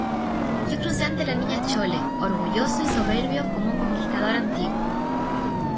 yo crucé ante la Niña Chole orgulloso y soberbio como un conquistador antiguo.